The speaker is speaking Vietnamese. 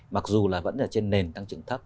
mặc dù là vẫn ở trên nền tăng trưởng thấp